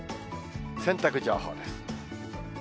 洗濯情報です。